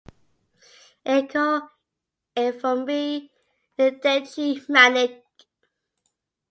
Icho kifumbi ndechimange.